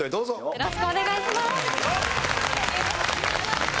よろしくお願いします。